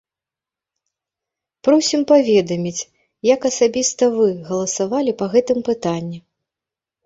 Просім паведаміць, як асабіста вы галасавалі па гэтым пытанні?